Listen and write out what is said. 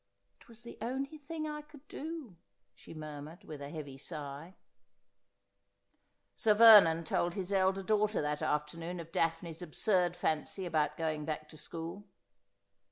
' It was the only thing I could do,' she murmured with a heavy sigh. Sir Vernon told his elder daughter that afternoon of Daphne's absurd fancy about going back to school.